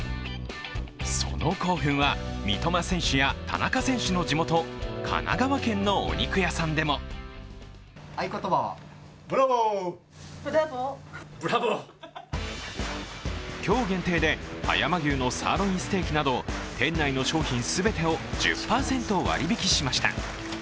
その興奮は、三笘選手や田中選手の地元神奈川県のお肉屋さんでも今日限定で、葉山牛のサーロインステーキなど店内の商品全てを１０％割り引きしました。